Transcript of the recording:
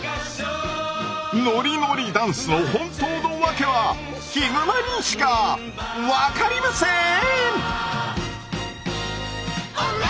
ノリノリダンスの本当の訳はヒグマにしか分かりません！